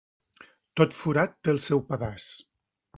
Tot forat té el seu pedaç.